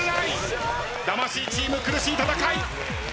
魂チーム苦しい戦い。